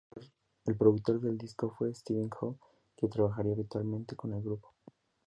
El productor del disco fue Esteve Coll, que trabajaría habitualmente con el grupo.